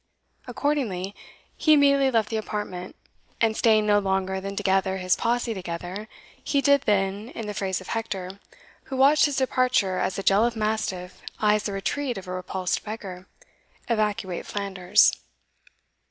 Accordingly, he immediately left the apartment, and staying no longer than to gather his posse together, he did then, in the phrase of Hector, who watched his departure as a jealous mastiff eyes the retreat of a repulsed beggar, evacuate Flanders.